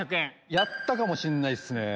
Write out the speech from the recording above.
やったかもしれないっすね。